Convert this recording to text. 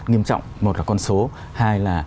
nghiêm trọng một là con số hai là